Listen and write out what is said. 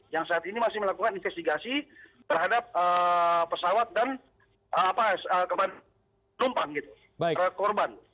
yang saat ini masih melakukan investigasi terhadap pesawat dan penumpang korban